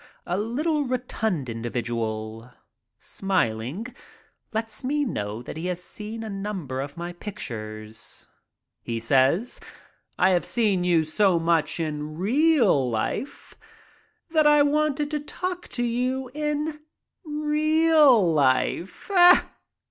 A little rotund individual, smiling, lets me know that he has seen a number of my pictures. He says: "I have seen you so much in 'reel' life that I wanted 30 MY TRIP ABROAD to talk to you in 'real' life."